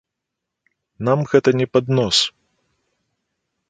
Нам гэта не пад нос!